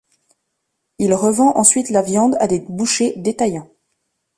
Il revend ensuite la viande à des bouchers-détaillants.